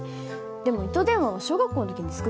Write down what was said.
でも糸電話は小学校の時に作ったよ。